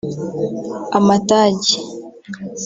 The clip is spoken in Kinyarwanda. Amatage